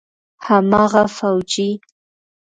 هماغه فوجي.